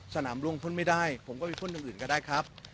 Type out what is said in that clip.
สนามร่วงพ่นไม่ได้ผมก็ไปพ่นอย่างอื่นก็ได้ครับ